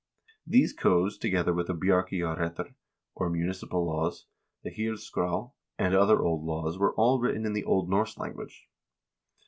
2 These codes, together with the "Bjarkeyjarrettr," or municipal laws, the "HirSskrd," and other old laws were all written in the Old Norse language.